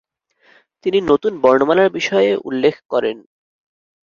তিনি নতুন বর্ণমালার বিষয়ে উল্লেখ ক্করেন।